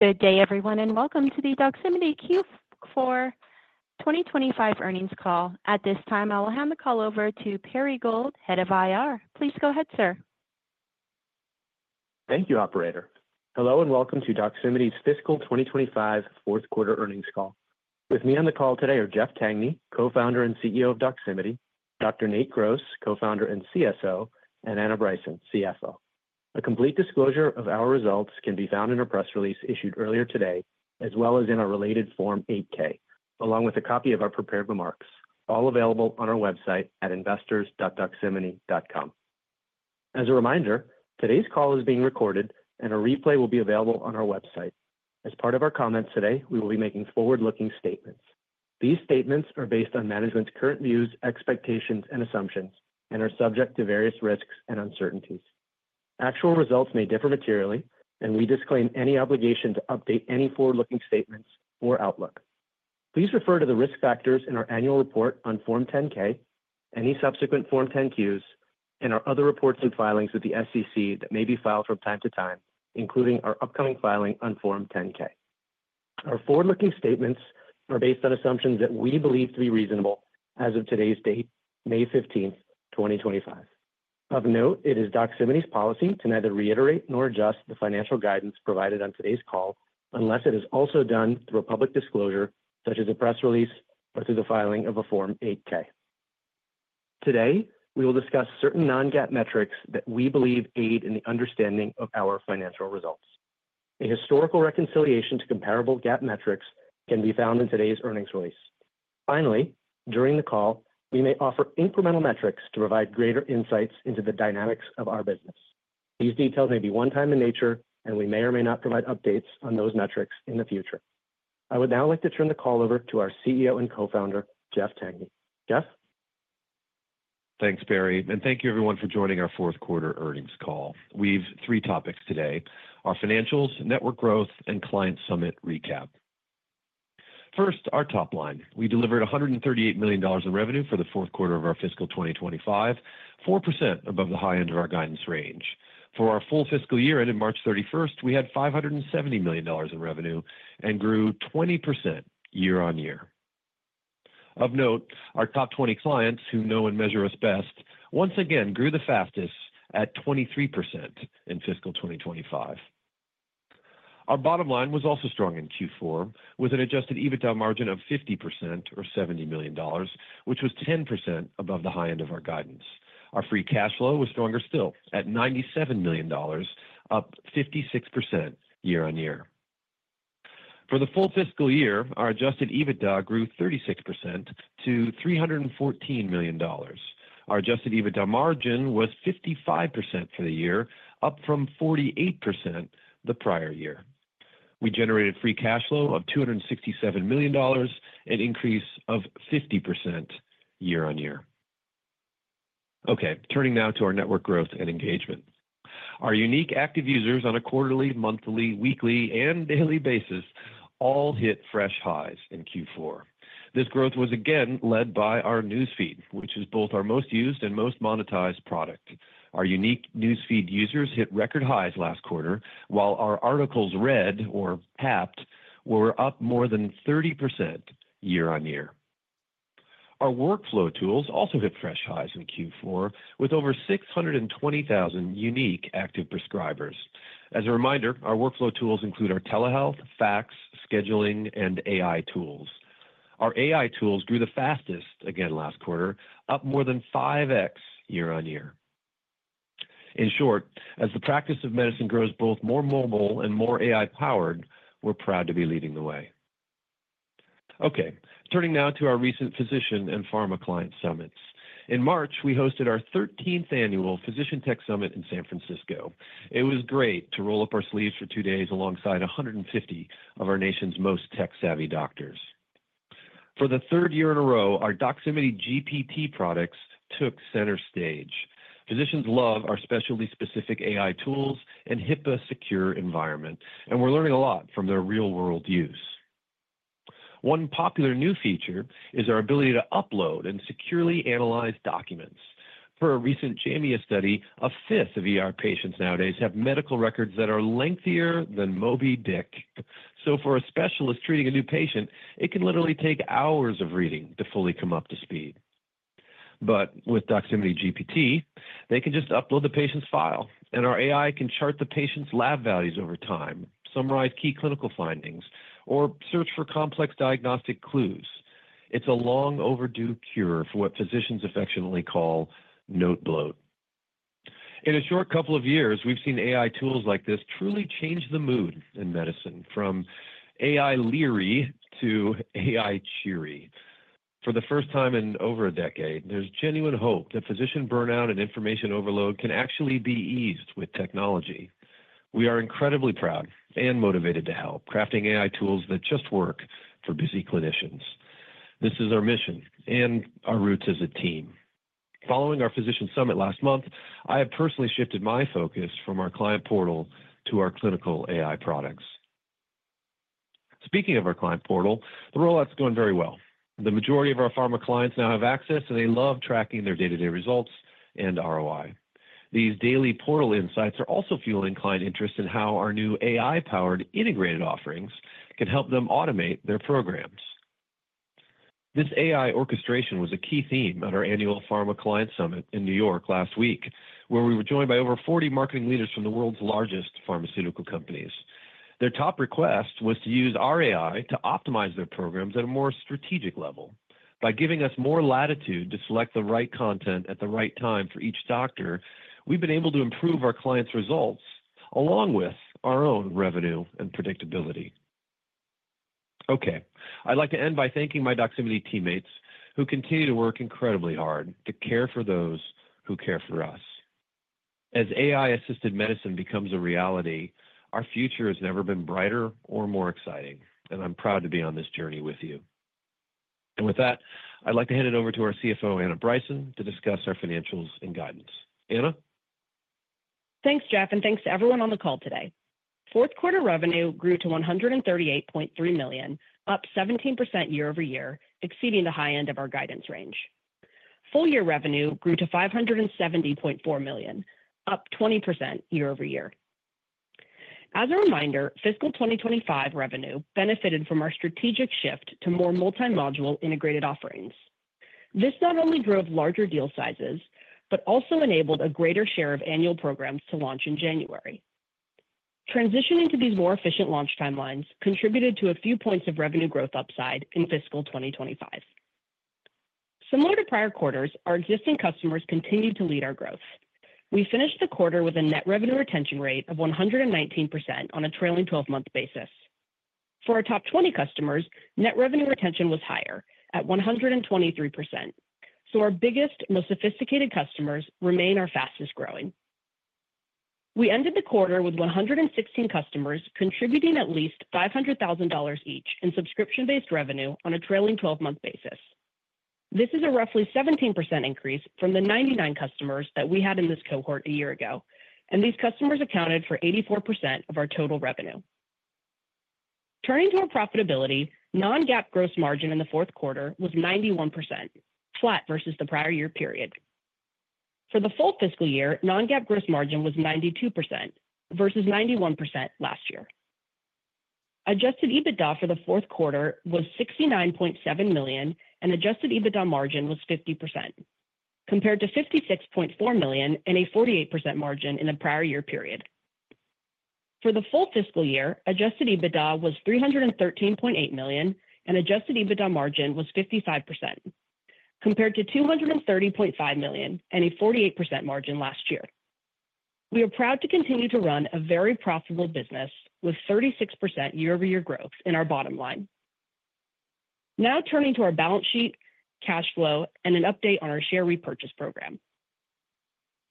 Good day, everyone, and welcome to the Doximity Q4 2025 earnings call. At this time, I will hand the call over to Perry Gold, Head of IR. Please go ahead, sir. Thank you, Operator. Hello and welcome to Doximity's Fiscal 2025 Fourth Quarter earnings call. With me on the call today are Jeff Tangney, Co-founder and CEO of Doximity; Dr. Nate Gross, Co-founder and CSO; and Anna Bryson, CFO. A complete disclosure of our results can be found in a press release issued earlier today, as well as in our related Form 8K, along with a copy of our prepared remarks, all available on our website at investors.doximity.com. As a reminder, today's call is being recorded, and a replay will be available on our website. As part of our comments today, we will be making forward-looking statements. These statements are based on management's current views, expectations, and assumptions, and are subject to various risks and uncertainties. Actual results may differ materially, and we disclaim any obligation to update any forward-looking statements or outlook. Please refer to the risk factors in our annual report on Form 10K, any subsequent Form 10Qs, and our other reports and filings with the SEC that may be filed from time to time, including our upcoming filing on Form 10K. Our forward-looking statements are based on assumptions that we believe to be reasonable as of today's date, May 15th, 2025. Of note, it is Doximity's policy to neither reiterate nor adjust the financial guidance provided on today's call unless it is also done through a public disclosure, such as a press release, or through the filing of a Form 8K. Today, we will discuss certain non-GAAP metrics that we believe aid in the understanding of our financial results. A historical reconciliation to comparable GAAP metrics can be found in today's earnings release. Finally, during the call, we may offer incremental metrics to provide greater insights into the dynamics of our business. These details may be one-time in nature, and we may or may not provide updates on those metrics in the future. I would now like to turn the call over to our CEO and Co-founder, Jeff Tangney. Jeff? Thanks, Perry, and thank you, everyone, for joining our Fourth Quarter earnings call. We have three topics today: our financials, network growth, and client summit recap. First, our top line. We delivered $138 million in revenue for the Fourth Quarter of our Fiscal 2025, 4% above the high end of our guidance range. For our full Fiscal Year ended March 31st, we had $570 million in revenue and grew 20% year on year. Of note, our top 20 clients, who know and measure us best, once again grew the fastest at 23% in Fiscal 2025. Our bottom line was also strong in Q4, with an adjusted EBITDA margin of 50%, or $70 million, which was 10% above the high end of our guidance. Our free cash flow was stronger still at $97 million, up 56% year on year. For the full Fiscal Year, our adjusted EBITDA grew 36% to $314 million. Our adjusted EBITDA margin was 55% for the year, up from 48% the prior year. We generated free cash flow of $267 million, an increase of 50% year on year. Okay, turning now to our network growth and engagement. Our unique active users on a Quarterly, monthly, weekly, and daily basis all hit fresh highs in Q4. This growth was again led by our newsfeed, which is both our most used and most monetized product. Our unique newsfeed users hit record highs last Quarter, while our articles read or tapped were up more than 30% year on year. Our workflow tools also hit fresh highs in Q4, with over 620,000 unique active prescribers. As a reminder, our workflow tools include our telehealth, fax, scheduling, and AI tools. Our AI tools grew the fastest again last Quarter, up more than 5X year on year. In short, as the practice of medicine grows both more mobile and more AI-powered, we're proud to be leading the way. Okay, turning now to our recent physician and pharma client summits. In March, we hosted our 13th annual Physician Tech Summit in San Francisco. It was great to roll up our sleeves for two days alongside 150 of our nation's most tech-savvy doctors. For the third year in a row, our Doximity GPT products took center stage. Physicians love our specialty-specific AI tools and HIPAA-secure environment, and we're learning a lot from their real-world use. One popular new feature is our ability to upload and securely analyze documents. Per a recent JAMIA study, a fifth of patients nowadays have medical records that are lengthier than Moby Dick, so for a specialist treating a new patient, it can literally take hours of reading to fully come up to speed. With Doximity GPT, they can just upload the patient's file, and our AI can chart the patient's lab values over time, summarize key clinical findings, or search for complex diagnostic clues. It is a long-overdue cure for what physicians affectionately call "note bloat." In a short couple of years, we have seen AI tools like this truly change the mood in medicine, from AI leery to AI cheery. For the first time in over a decade, there is genuine hope that physician burnout and information overload can actually be eased with technology. We are incredibly proud and motivated to help, crafting AI tools that just work for busy clinicians. This is our mission and our roots as a team. Following our Physician Summit last month, I have personally shifted my focus from our client portal to our clinical AI products. Speaking of our client portal, the rollout's going very well. The majority of our pharma clients now have access, and they love tracking their day-to-day results and ROI. These daily portal insights are also fueling client interest in how our new AI-powered integrated offerings can help them automate their programs. This AI orchestration was a key theme at our annual pharma client summit in New York last week, where we were joined by over 40 marketing leaders from the world's largest pharmaceutical companies. Their top request was to use our AI to optimize their programs at a more strategic level. By giving us more latitude to select the right content at the right time for each doctor, we've been able to improve our clients' results along with our own revenue and predictability. I would like to end by thanking my Doximity teammates, who continue to work incredibly hard to care for those who care for us. As AI-assisted medicine becomes a reality, our future has never been brighter or more exciting, and I'm proud to be on this journey with you. With that, I would like to hand it over to our CFO, Anna Bryson, to discuss our financials and guidance. Anna? Thanks, Jeff, and thanks to everyone on the call today. Fourth Quarter revenue grew to $138.3 million, up 17% year over year, exceeding the high end of our guidance range. Full year revenue grew to $570.4 million, up 20% year over year. As a reminder, Fiscal 2025 revenue benefited from our strategic shift to more multi-module integrated offerings. This not only drove larger deal sizes, but also enabled a greater share of annual programs to launch in January. Transitioning to these more efficient launch timelines contributed to a few points of revenue growth upside in Fiscal 2025. Similar to prior Quarters, our existing customers continue to lead our growth. We finished the Quarter with a net revenue retention rate of 119% on a trailing 12-month basis. For our top 20 customers, net revenue retention was higher at 123%, so our biggest, most sophisticated customers remain our fastest growing. We ended the Quarter with 116 customers contributing at least $500,000 each in subscription-based revenue on a trailing 12-month basis. This is a roughly 17% increase from the 99 customers that we had in this cohort a year ago, and these customers accounted for 84% of our total revenue. Turning to our profitability, non-GAAP gross margin in the Fourth Quarter was 91%, flat versus the prior year period. For the full Fiscal Year, non-GAAP gross margin was 92% versus 91% last year. Adjusted EBITDA for the Fourth Quarter was $69.7 million, and adjusted EBITDA margin was 50%, compared to $56.4 million and a 48% margin in the prior year period. For the full Fiscal Year, adjusted EBITDA was $313.8 million, and adjusted EBITDA margin was 55%, compared to $230.5 million and a 48% margin last year. We are proud to continue to run a very profitable business with 36% year-over-year growth in our bottom line. Now turning to our balance sheet, cash flow, and an update on our share repurchase program.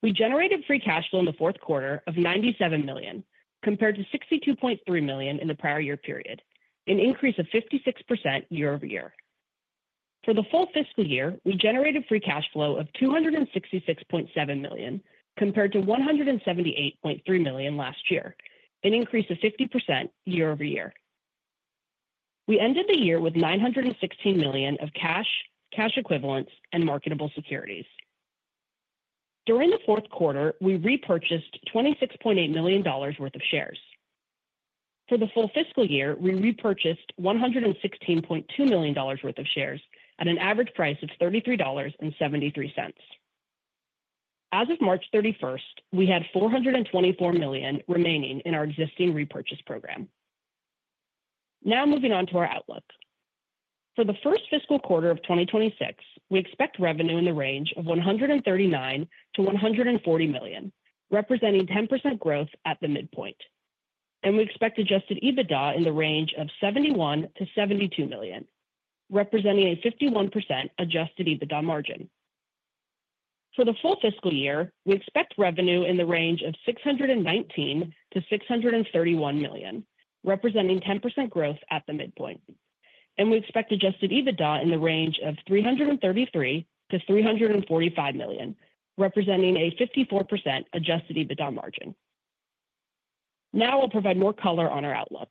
We generated free cash flow in the Fourth Quarter of $97 million, compared to $62.3 million in the prior year period, an increase of 56% year-over-year. For the full Fiscal Year, we generated free cash flow of $266.7 million, compared to $178.3 million last year, an increase of 50% year-over-year. We ended the year with $916 million of cash, cash equivalents, and marketable securities. During the Fourth Quarter, we repurchased $26.8 million worth of shares. For the full Fiscal Year, we repurchased $116.2 million worth of shares at an average price of $33.73. As of March 31, we had $424 million remaining in our existing repurchase program. Now moving on to our outlook. For the First Fiscal Quarter of 2026, we expect revenue in the range of $139-$140 million, representing 10% growth at the midpoint. We expect adjusted EBITDA in the range of $71-$72 million, representing a 51% adjusted EBITDA margin. For the full Fiscal Year, we expect revenue in the range of $619 million-$631 million, representing 10% growth at the midpoint. We expect adjusted EBITDA in the range of $333 million-$345 million, representing a 54% adjusted EBITDA margin. Now I'll provide more color on our outlook.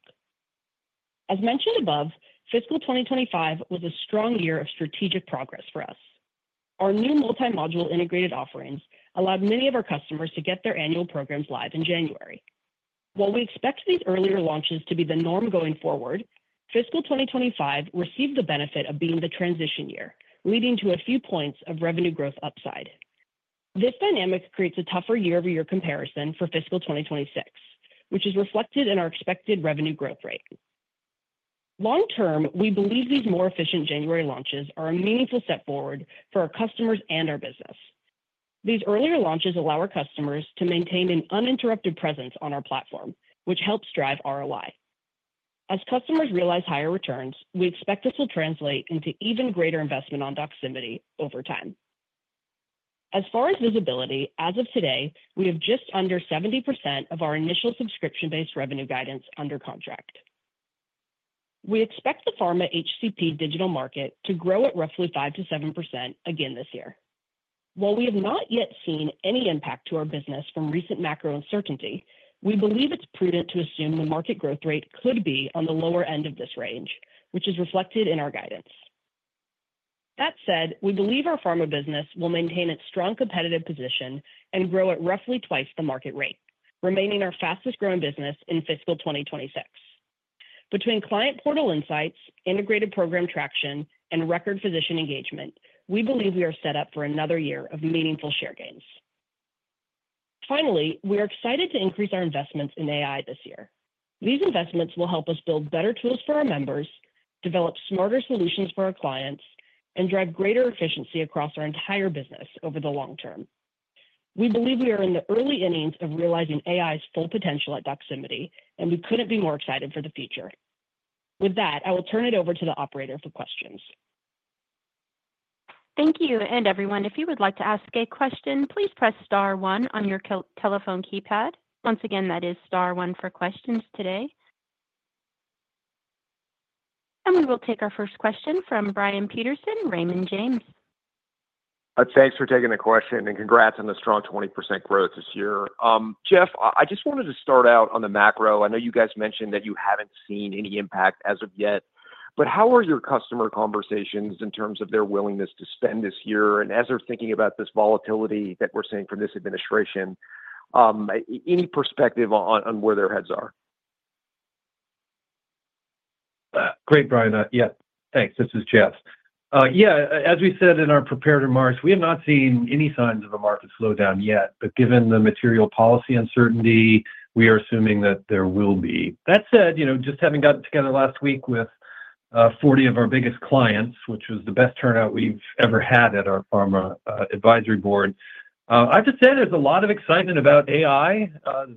As mentioned above, Fiscal 2025 was a strong year of strategic progress for us. Our new multi-module integrated offerings allowed many of our customers to get their annual programs live in January. While we expect these earlier launches to be the norm going forward, Fiscal 2025 received the benefit of being the transition year, leading to a few points of revenue growth upside. This dynamic creates a tougher year-over-year comparison for Fiscal 2026, which is reflected in our expected revenue growth rate. Long term, we believe these more efficient January launches are a meaningful step forward for our customers and our business. These earlier launches allow our customers to maintain an uninterrupted presence on our platform, which helps drive ROI. As customers realize higher returns, we expect this will translate into even greater investment on Doximity over time. As far as visibility, as of today, we have just under 70% of our initial subscription-based revenue guidance under contract. We expect the pharma HCP digital market to grow at roughly 5%-7% again this year. While we have not yet seen any impact to our business from recent macro uncertainty, we believe it's prudent to assume the market growth rate could be on the lower end of this range, which is reflected in our guidance. That said, we believe our pharma business will maintain its strong competitive position and grow at roughly twice the market rate, remaining our fastest-growing business in Fiscal 2026. Between client portal insights, integrated program traction, and record physician engagement, we believe we are set up for another year of meaningful share gains. Finally, we are excited to increase our investments in AI this year. These investments will help us build better tools for our members, develop smarter solutions for our clients, and drive greater efficiency across our entire business over the long term. We believe we are in the early innings of realizing AI's full potential at Doximity, and we couldn't be more excited for the future. With that, I will turn it over to the operator for questions. Thank you. If you would like to ask a question, please press star one on your telephone keypad. Once again, that is star one for questions today. We will take our first question from Brian Peterson, Raymond James. Thanks for taking the question and congrats on the strong 20% growth this year. Jeff, I just wanted to start out on the macro. I know you guys mentioned that you haven't seen any impact as of yet, but how are your customer conversations in terms of their willingness to spend this year? As they're thinking about this volatility that we're seeing from this administration, any perspective on where their heads are? Great, Brian. Yeah, thanks. This is Jeff. Yeah, as we said in our prepared remarks, we have not seen any signs of a market slowdown yet, but given the material policy uncertainty, we are assuming that there will be. That said, just having gotten together last week with 40 of our biggest clients, which was the best turnout we've ever had at our pharma advisory board, I have to say there's a lot of excitement about AI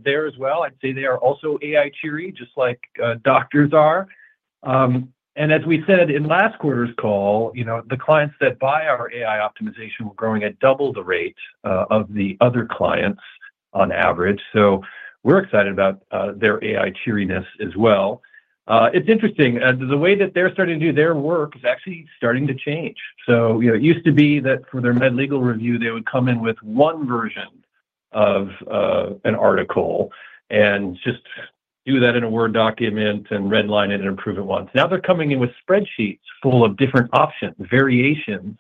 there as well. I'd say they are also AI cheery, just like doctors are. As we said in last Quarter's call, the clients that buy our AI optimization were growing at double the rate of the other clients on average. We are excited about their AI cheeriness as well. It's interesting. The way that they're starting to do their work is actually starting to change. It used to be that for their med-legal review, they would come in with one version of an article and just do that in a Word document and redline it and approve it once. Now they're coming in with spreadsheets full of different options, variations.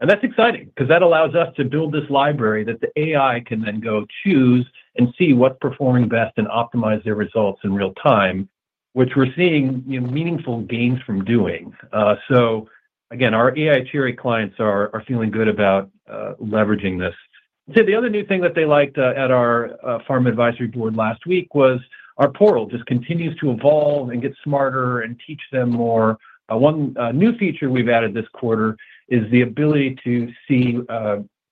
That's exciting because that allows us to build this library that the AI can then go choose and see what's performing best and optimize their results in real time, which we're seeing meaningful gains from doing. Again, our AI cheery clients are feeling good about leveraging this. The other new thing that they liked at our pharma advisory board last week was our portal just continues to evolve and get smarter and teach them more. One new feature we've added this Quarter is the ability to see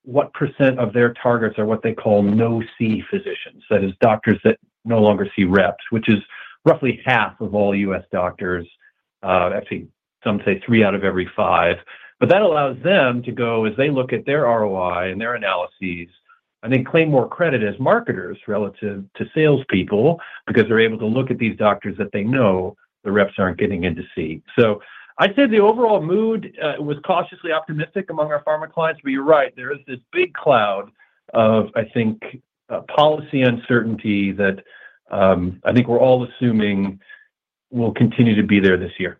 what percent of their targets are what they call no-see physicians. That is, doctors that no longer see reps, which is roughly half of all U.S. doctors. Actually, some say three out of every five. That allows them to go, as they look at their ROI and their analyses, and they claim more credit as marketers relative to salespeople because they're able to look at these doctors that they know the reps aren't getting in to see. I'd say the overall mood was cautiously optimistic among our pharma clients, but you're right. There is this big cloud of, I think, policy uncertainty that I think we're all assuming will continue to be there this year.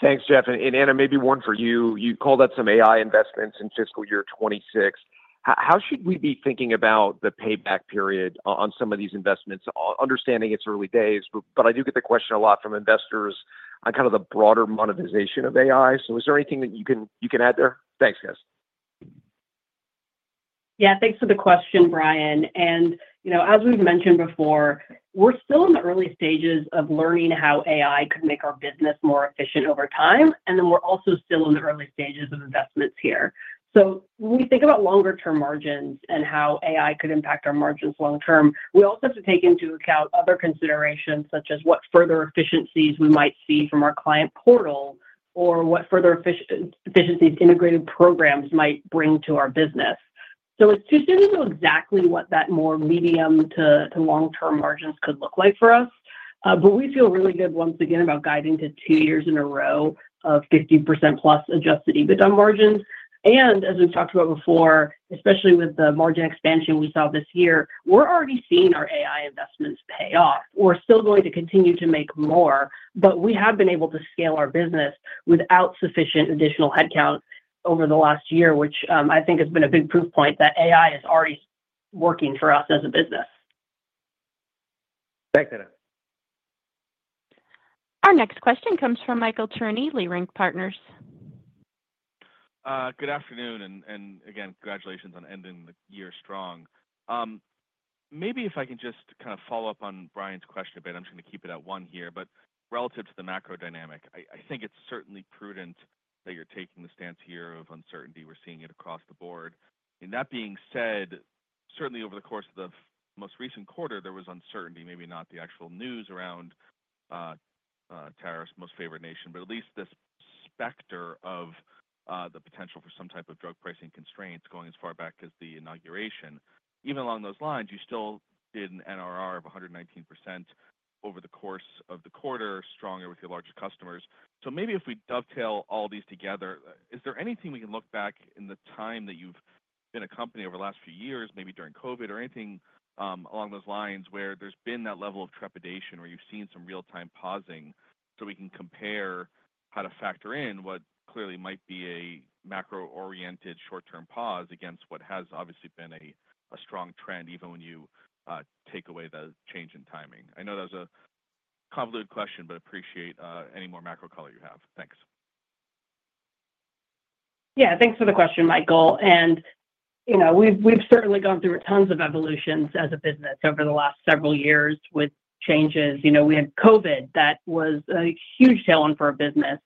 Thanks, Jeff. Anna, maybe one for you. You called out some AI investments in Fiscal Year 2026. How should we be thinking about the payback period on some of these investments, understanding it's early days? I do get the question a lot from investors on kind of the broader monetization of AI. Is there anything that you can add there? Thanks, guys. Yeah, thanks for the question, Brian. As we've mentioned before, we're still in the early stages of learning how AI could make our business more efficient over time. We're also still in the early stages of investments here. When we think about longer-term margins and how AI could impact our margins long-term, we also have to take into account other considerations such as what further efficiencies we might see from our client portal or what further efficiencies integrated programs might bring to our business. It's too soon to know exactly what that more medium to long-term margins could look like for us. We feel really good, once again, about guiding to two years in a row of 50%+ adjusted EBITDA margins. As we've talked about before, especially with the margin expansion we saw this year, we're already seeing our AI investments pay off. We're still going to continue to make more, but we have been able to scale our business without sufficient additional headcount over the last year, which I think has been a big proof point that AI is already working for us as a business. Thanks, Anna. Our next question comes from Michael Cherny, Leerink Partners. Good afternoon. Again, congratulations on ending the year strong. Maybe if I can just kind of follow up on Brian's question a bit, I'm just going to keep it at one here. Relative to the macro dynamic, I think it's certainly prudent that you're taking the stance here of uncertainty. We're seeing it across the board. That being said, certainly over the course of the most recent Quarter, there was uncertainty, maybe not the actual news around tariffs, most favorite nation, but at least this specter of the potential for some type of drug pricing constraints going as far back as the inauguration. Even along those lines, you still did an NRR of 119% over the course of the Quarter, stronger with your larger customers. Maybe if we dovetail all these together, is there anything we can look back in the time that you've been a company over the last few years, maybe during COVID, or anything along those lines where there's been that level of trepidation where you've seen some real-time pausing so we can compare how to factor in what clearly might be a macro-oriented short-term pause against what has obviously been a strong trend, even when you take away the change in timing? I know that was a convoluted question, but appreciate any more macro color you have. Thanks. Yeah, thanks for the question, Michael. We've certainly gone through tons of evolutions as a business over the last several years with changes. We had COVID that was a huge tailwind for our business.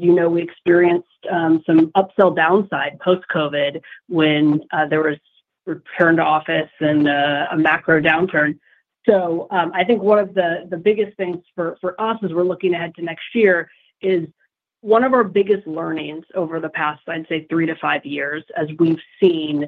You know, we experienced some upsell downside post-COVID when there was return to office and a macro downturn. I think one of the biggest things for us as we're looking ahead to next year is one of our biggest learnings over the past, I'd say, three to five years, as we've seen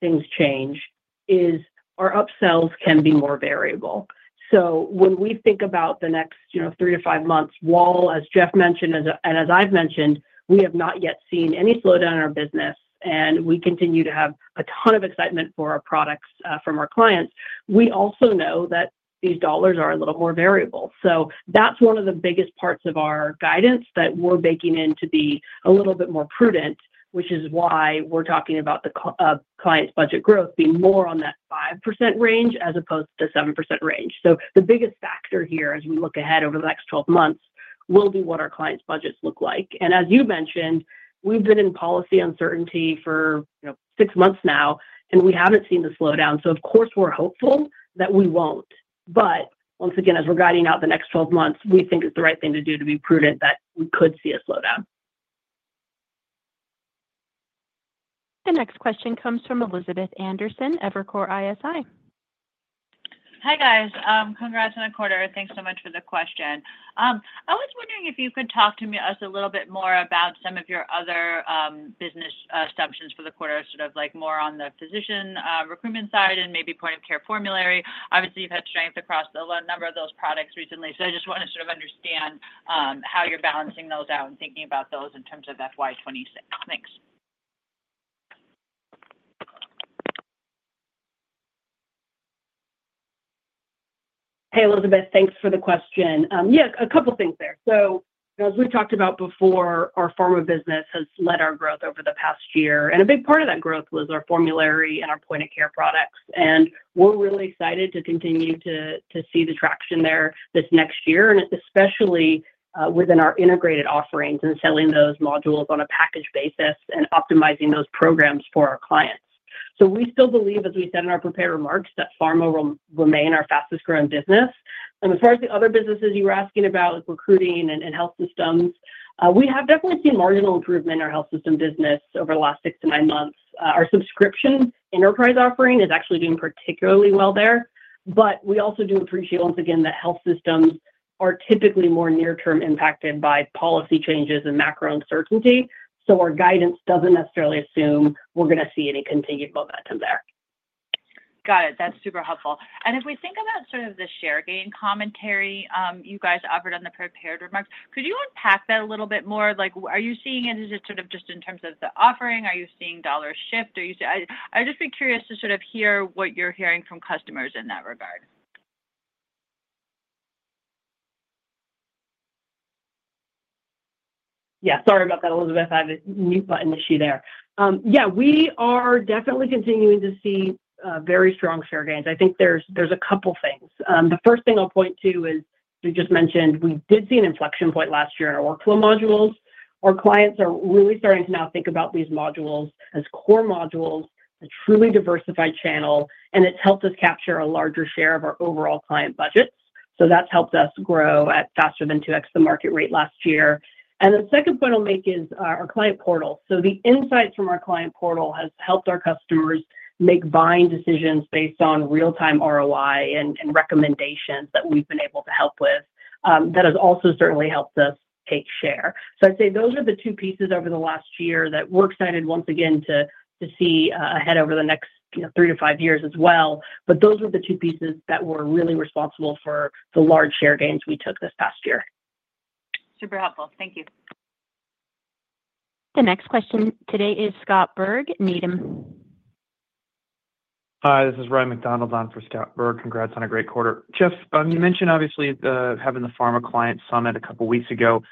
things change, is our upsells can be more variable. When we think about the next three to five months, while as Jeff mentioned and as I've mentioned, we have not yet seen any slowdown in our business, and we continue to have a ton of excitement for our products from our clients, we also know that these dollars are a little more variable. That's one of the biggest parts of our guidance that we're baking in to be a little bit more prudent, which is why we're talking about the client's budget growth being more on that 5% range as opposed to the 7% range. The biggest factor here as we look ahead over the next 12 months will be what our clients' budgets look like. As you mentioned, we've been in policy uncertainty for six months now, and we haven't seen the slowdown. Of course, we're hopeful that we won't. But once again, as we're guiding out the next 12 months, we think it's the right thing to do to be prudent that we could see a slowdown. The next question comes from Elizabeth Anderson, Evercore ISI. Hi guys. Congrats on the Quarter. Thanks so much for the question. I was wondering if you could talk to me a little bit more about some of your other business assumptions for the Quarter, sort of like more on the physician recruitment side and maybe point of care formulary. Obviously, you've had strength across a number of those products recently. I just want to sort of understand how you're balancing those out and thinking about those in terms of FY2026. Thanks. Hey, Elizabeth. Thanks for the question. Yeah, a couple of things there. As we've talked about before, our pharma business has led our growth over the past year. A big part of that growth was our formulary and our point of care products. We're really excited to continue to see the traction there this next year, especially within our integrated offerings and selling those modules on a package basis and optimizing those programs for our clients. We still believe, as we said in our prepared remarks, that pharma will remain our fastest-growing business. As far as the other businesses you were asking about, recruiting and health systems, we have definitely seen marginal improvement in our health system business over the last six to nine months. Our subscription enterprise offering is actually doing particularly well there. We also do appreciate, once again, that health systems are typically more near-term impacted by policy changes and macro uncertainty. So our guidance doesn't necessarily assume we're going to see any continued momentum there. Got it. That's super helpful. If we think about sort of the share gain commentary you guys offered on the prepared remarks, could you unpack that a little bit more? Are you seeing it sort of just in terms of the offering? Are you seeing dollars shift? I'd just be curious to sort of hear what you're hearing from customers in that regard. Yeah, sorry about that, Elizabeth. I had a mute button issue there. Yeah, we are definitely continuing to see very strong share gains. I think there's a couple of things. The first thing I'll point to is we just mentioned we did see an inflection point last year in our workflow modules. Our clients are really starting to now think about these modules as core modules, a truly diversified channel, and it's helped us capture a larger share of our overall client budgets. That has helped us grow at faster than 2x the market rate last year. The second point I'll make is our client portal. The insights from our client portal have helped our customers make buying decisions based on real-time ROI and recommendations that we've been able to help with. That has also certainly helped us take share. I'd say those are the two pieces over the last year that we're excited, once again, to see ahead over the next three to five years as well. But those were the two pieces that were really responsible for the large share gains we took this past year. Super helpful. Thank you. The next question today is Scott Berg, Needham. Hi, this is Ryan MacDonald on for Scott Berg. Congrats on a great Quarter. Jeff, you mentioned obviously having the pharma client summit a couple of weeks ago.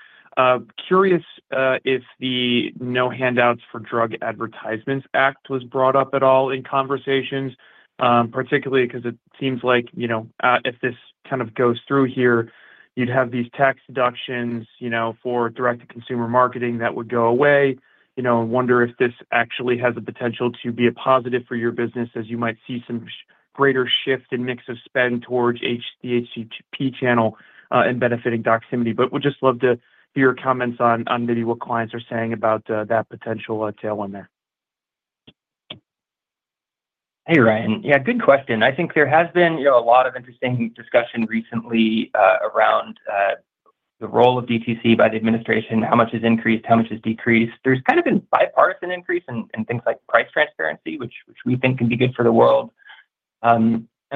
Curious if the No Handouts for Drug Advertisements Act was brought up at all in conversations, particularly because it seems like if this kind of goes through here, you'd have these tax deductions for direct-to-consumer marketing that would go away. I wonder if this actually has the potential to be a positive for your business, as you might see some greater shift in mix of spend towards the HCP channel and benefiting Doximity. We'd just love to hear your comments on maybe what clients are saying about that potential tailwind there. Hey, Ryan. Yeah, good question. I think there has been a lot of interesting discussion recently around the role of DTC by the administration, how much has increased, how much has decreased. There has kind of been bipartisan increase in things like price transparency, which we think can be good for the world. There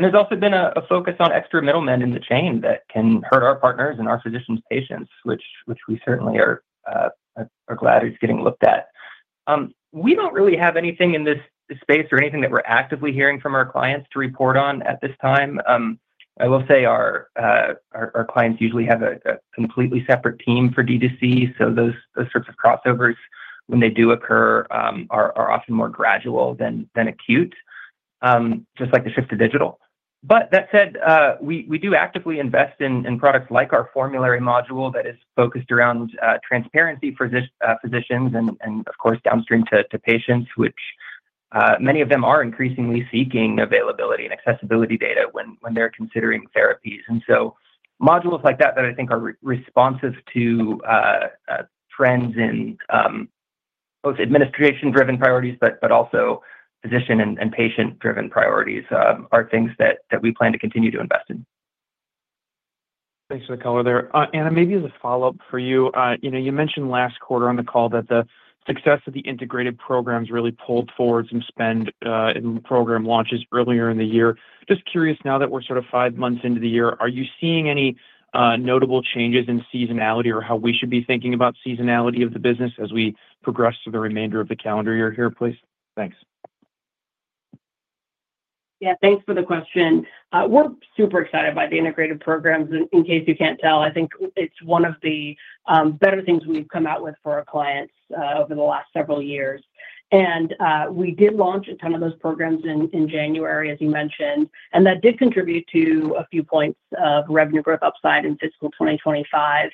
has also been a focus on extra middlemen in the chain that can hurt our partners and our physicians' patients, which we certainly are glad is getting looked at. We do not really have anything in this space or anything that we are actively hearing from our clients to report on at this time. I will say our clients usually have a completely separate team for DTC. Those sorts of crossovers, when they do occur, are often more gradual than acute, just like the shift to digital. That said, we do actively invest in products like our formulary module that is focused around transparency for physicians and, of course, downstream to patients, which many of them are increasingly seeking availability and accessibility data when they're considering therapies. Modules like that that I think are responsive to trends in both administration-driven priorities, but also physician and patient-driven priorities are things that we plan to continue to invest in. Thanks for the color there. Anna, maybe as a follow-up for you, you mentioned last Quarter on the call that the success of the integrated programs really pulled forward some spend in program launches earlier in the year. Just curious now that we're sort of five months into the year, are you seeing any notable changes in seasonality or how we should be thinking about seasonality of the business as we progress through the remainder of the calendar year here, please? Thanks. Yeah, thanks for the question. We're super excited by the integrated programs. In case you can't tell, I think it's one of the better things we've come out with for our clients over the last several years. We did launch a ton of those programs in January, as you mentioned, and that did contribute to a few points of revenue growth upside in Fiscal 2025.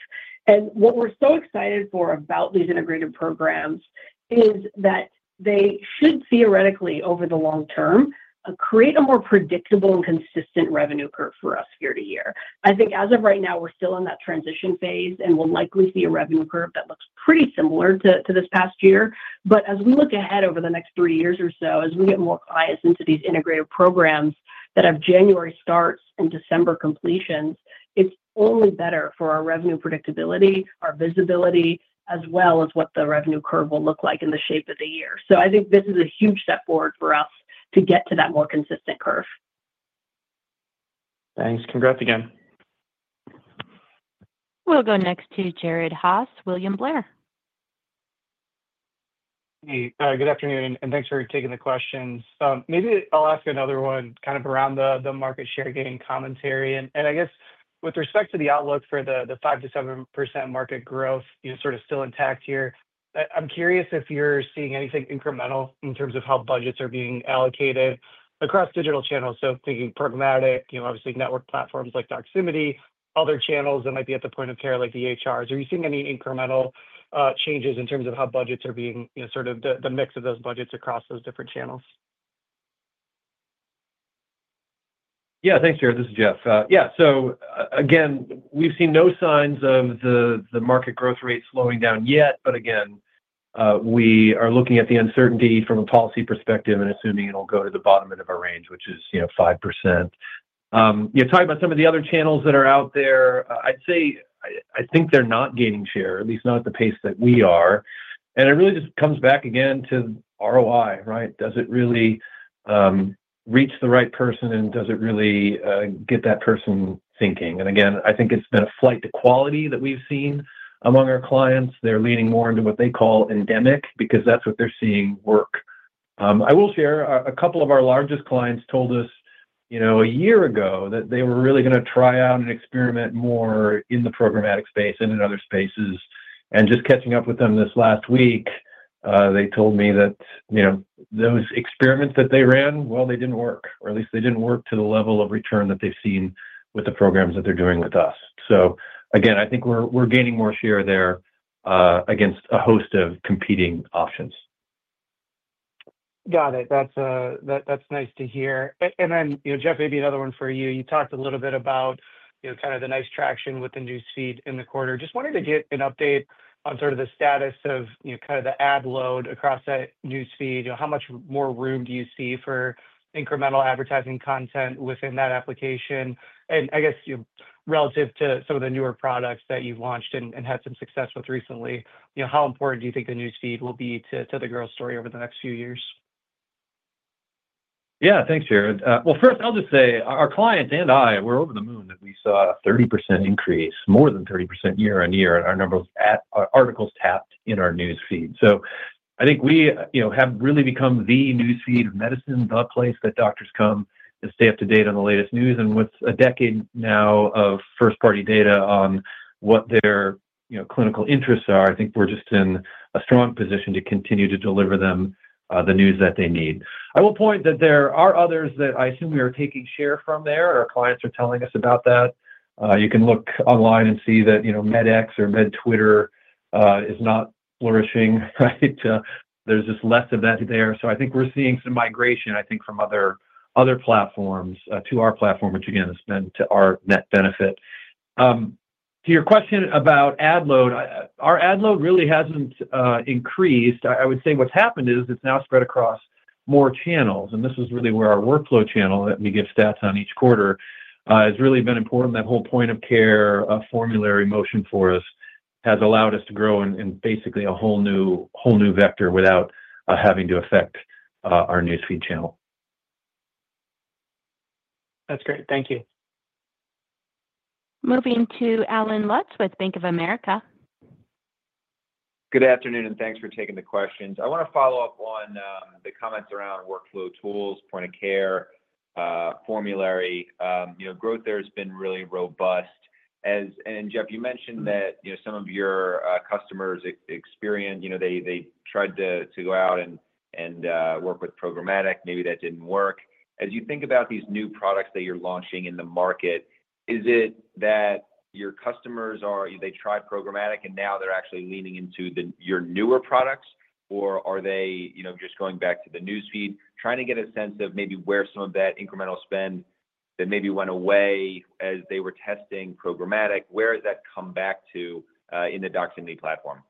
What we're so excited for about these integrated programs is that they should theoretically, over the long term, create a more predictable and consistent revenue curve for us year to year. I think as of right now, we're still in that transition phase, and we'll likely see a revenue curve that looks pretty similar to this past year. As we look ahead over the next three years or so, as we get more clients into these integrated programs that have January starts and December completions, it's only better for our revenue predictability, our visibility, as well as what the revenue curve will look like in the shape of the year. I think this is a huge step forward for us to get to that more consistent curve. Thanks. Congrats again. We'll go next to Jared Haase, William Blair. Hey, good afternoon, and thanks for taking the questions. Maybe I'll ask another one kind of around the market share gain commentary. I guess with respect to the outlook for the 5-7% market growth, sort of still intact here, I'm curious if you're seeing anything incremental in terms of how budgets are being allocated across digital channels. Thinking programmatic, obviously network platforms like Doximity, other channels that might be at the point of care like the EHRs. Are you seeing any incremental changes in terms of how budgets are being sort of the mix of those budgets across those different channels? Yeah, thanks, Jared. This is Jeff. Yeah, so again, we've seen no signs of the market growth rate slowing down yet. Again, we are looking at the uncertainty from a policy perspective and assuming it'll go to the bottom end of our range, which is 5%. Talking about some of the other channels that are out there, I'd say I think they're not gaining share, at least not at the pace that we are. It really just comes back again to ROI, right? Does it really reach the right person, and does it really get that person thinking? Again, I think it's been a flight to quality that we've seen among our clients. They're leaning more into what they call endemic because that's what they're seeing work. I will share a couple of our largest clients told us a year ago that they were really going to try out and experiment more in the programmatic space and in other spaces. Just catching up with them this last week, they told me that those experiments that they ran, well, they did not work, or at least they did not work to the level of return that they have seen with the programs that they are doing with us. Again, I think we are gaining more share there against a host of competing options. Got it. That's nice to hear. Jeff, maybe another one for you. You talked a little bit about kind of the nice traction with the newsfeed in the Quarter. Just wanted to get an update on sort of the status of kind of the ad load across that newsfeed. How much more room do you see for incremental advertising content within that application? I guess relative to some of the newer products that you've launched and had some success with recently, how important do you think the newsfeed will be to the growth story over the next few years? Yeah, thanks, Jared. First, I'll just say our clients and I, we're over the moon that we saw a 30% increase, more than 30% year on year, in our articles tapped in our newsfeed. I think we have really become the newsfeed of medicine, the place that doctors come to stay up to date on the latest news. With a decade now of first-party data on what their clinical interests are, I think we're just in a strong position to continue to deliver them the news that they need. I will point that there are others that I assume we are taking share from there. Our clients are telling us about that. You can look online and see that MedX or MedTwitter is not flourishing, right? There's just less of that there. I think we're seeing some migration, I think, from other platforms to our platform, which again, has been to our net benefit. To your question about ad load, our ad load really hasn't increased. I would say what's happened is it's now spread across more channels. This is really where our workflow channel, let me give stats on each Quarter, has really been important. That whole point of care formulary motion for us has allowed us to grow in basically a whole new vector without having to affect our newsfeed channel. That's great. Thank you. Moving to Allen Lutz with Bank of America. Good afternoon, and thanks for taking the questions. I want to follow up on the comments around workflow tools, point of care, formulary. Growth there has been really robust. Jeff, you mentioned that some of your customers experienced they tried to go out and work with programmatic. Maybe that did not work. As you think about these new products that you are launching in the market, is it that your customers are they tried programmatic, and now they are actually leaning into your newer products, or are they just going back to the newsfeed? Trying to get a sense of maybe where some of that incremental spend that maybe went away as they were testing programmatic, where has that come back to in the Doximity platform?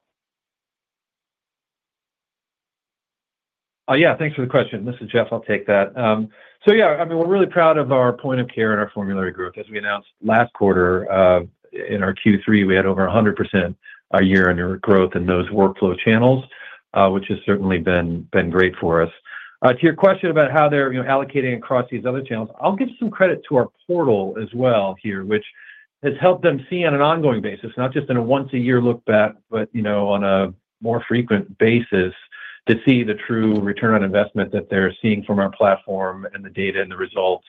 Yeah, thanks for the question. This is Jeff. I'll take that. Yeah, I mean, we're really proud of our point of care and our formulary growth. As we announced last Quarter in our Q3, we had over 100% year-on-year growth in those workflow channels, which has certainly been great for us. To your question about how they're allocating across these other channels, I'll give some credit to our portal as well here, which has helped them see on an ongoing basis, not just on a once-a-year lookback, but on a more frequent basis to see the true return on investment that they're seeing from our platform and the data and the results,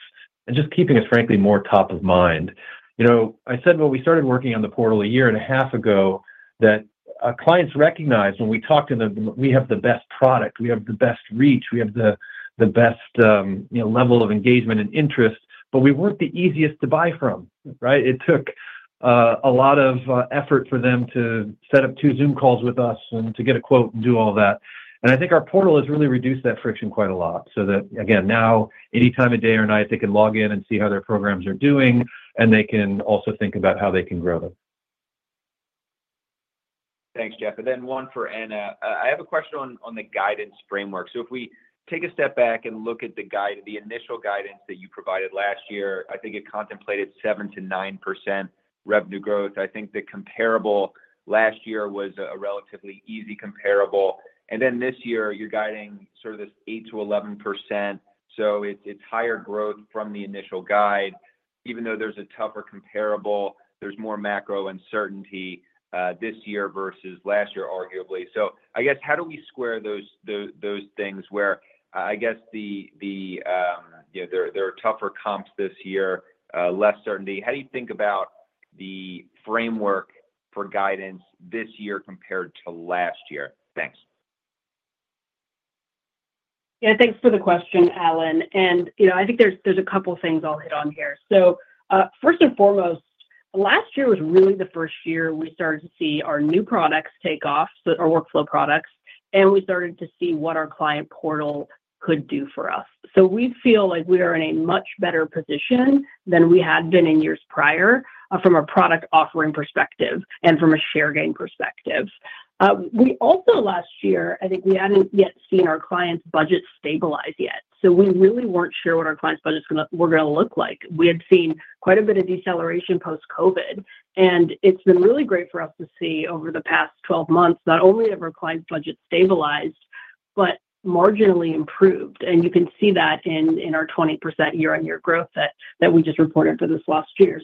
and just keeping us, frankly, more top of mind. I said when we started working on the portal a year and a half ago that clients recognized when we talked to them, we have the best product. We have the best reach. We have the best level of engagement and interest, but we were not the easiest to buy from, right? It took a lot of effort for them to set up two Zoom calls with us and to get a quote and do all that. I think our portal has really reduced that friction quite a lot so that, again, now, any time of day or night, they can log in and see how their programs are doing, and they can also think about how they can grow them. Thanks, Jeff. Then one for Anna. I have a question on the guidance framework. If we take a step back and look at the initial guidance that you provided last year, I think it contemplated 7-9% revenue growth. I think the comparable last year was a relatively easy comparable. This year, you're guiding sort of this 8-11%. It is higher growth from the initial guide. Even though there is a tougher comparable, there is more macro uncertainty this year versus last year, arguably. I guess, how do we square those things where I guess there are tougher comps this year, less certainty? How do you think about the framework for guidance this year compared to last year? Thanks. Yeah, thanks for the question, Allen. I think there's a couple of things I'll hit on here. First and foremost, last year was really the first year we started to see our new products take off, our workflow products, and we started to see what our client portal could do for us. We feel like we are in a much better position than we had been in years prior from a product offering perspective and from a share gain perspective. Last year, I think we hadn't yet seen our clients' budgets stabilize yet. We really weren't sure what our clients' budgets were going to look like. We had seen quite a bit of deceleration post-COVID. It's been really great for us to see over the past 12 months not only have our clients' budgets stabilized, but marginally improved. You can see that in our 20% year-on-year growth that we just reported for this last year.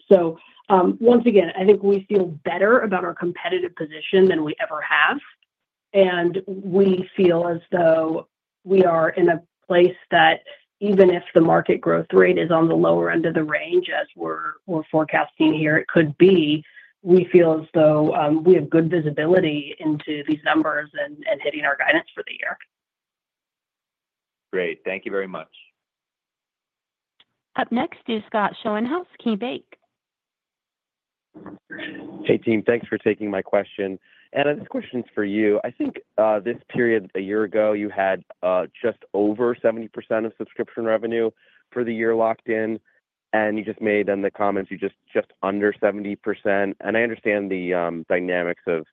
Once again, I think we feel better about our competitive position than we ever have. We feel as though we are in a place that even if the market growth rate is on the lower end of the range, as we're forecasting here it could be, we feel as though we have good visibility into these numbers and hitting our guidance for the year. Great. Thank you very much. Up next is Scott Schoenhaus, KeyBanc. Hey, team. Thanks for taking my question. Anna, this question's for you. I think this period a year ago, you had just over 70% of subscription revenue for the year locked in. You just made in the comments, you're just under 70%. I understand the dynamics of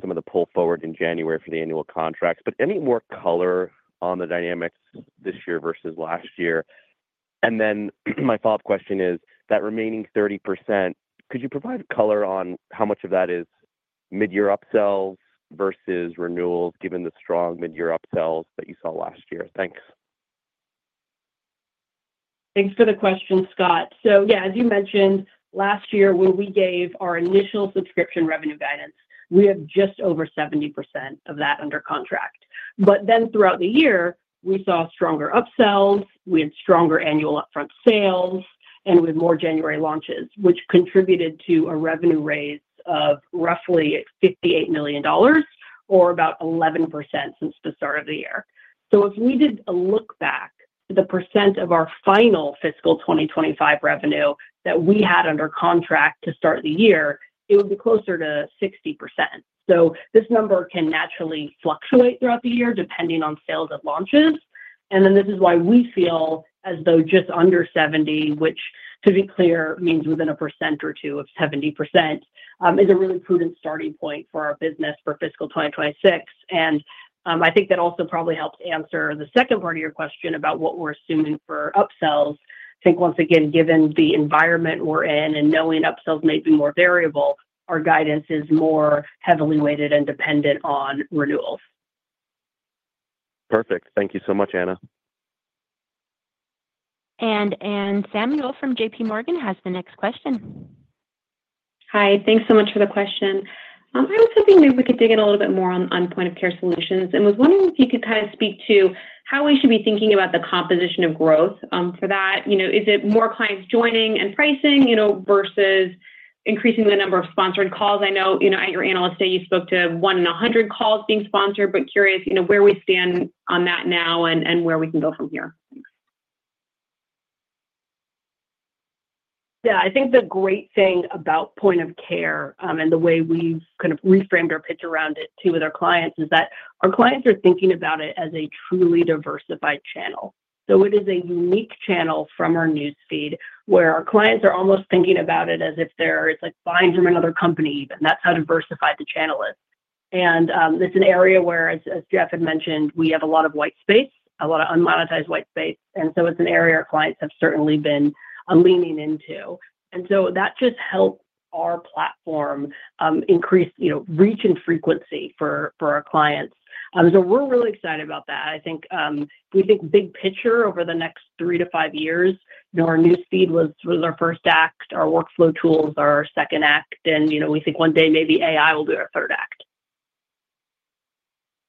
some of the pull forward in January for the annual contracts. Any more color on the dynamics this year versus last year? My follow-up question is, that remaining 30%, could you provide color on how much of that is mid-year upsells versus renewals given the strong mid-year upsells that you saw last year? Thanks. Thanks for the question, Scott. Yeah, as you mentioned, last year, when we gave our initial subscription revenue guidance, we had just over 70% of that under contract. Throughout the year, we saw stronger upsells. We had stronger annual upfront sales, and we had more January launches, which contributed to a revenue raise of roughly $58 million or about 11% since the start of the year. If we did a look back to the percent of our final Fiscal 2025 revenue that we had under contract to start the year, it would be closer to 60%. This number can naturally fluctuate throughout the year depending on sales and launches. This is why we feel as though just under 70%, which, to be clear, means within a percent or two of 70%, is a really prudent starting point for our business for Fiscal 2026. I think that also probably helps answer the second part of your question about what we're assuming for upsells. I think, once again, given the environment we're in and knowing upsells may be more variable, our guidance is more heavily weighted and dependent on renewals. Perfect. Thank you so much, Anna. And Anne Samuel from JPMorgan has the next question. Hi. Thanks so much for the question. I was hoping maybe we could dig in a little bit more on point of care solutions and was wondering if you could kind of speak to how we should be thinking about the composition of growth for that. Is it more clients joining and pricing versus increasing the number of sponsored calls? I know at your analyst day, you spoke to 1 in 100 calls being sponsored, but curious where we stand on that now and where we can go from here. Yeah. I think the great thing about point of care and the way we've kind of reframed our pitch around it too with our clients is that our clients are thinking about it as a truly diversified channel. It is a unique channel from our newsfeed where our clients are almost thinking about it as if it's buying from another company even. That's how diversified the channel is. It is an area where, as Jeff had mentioned, we have a lot of white space, a lot of unmonetized white space. It is an area our clients have certainly been leaning into. That just helps our platform increase reach and frequency for our clients. We are really excited about that. I think we think big picture over the next three to five years, our newsfeed was our first act, our workflow tools are our second act, and we think one day maybe AI will be our third act.